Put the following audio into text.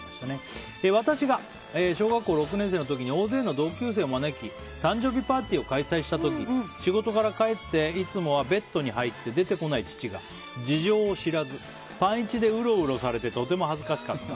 私が小学校６年生の時に大勢の同級生を招き誕生日パーティーを開催した時、仕事から帰っていつもはベッドに入って出てこない父が事情を知らずパンイチでうろうろされてとても恥ずかしかった。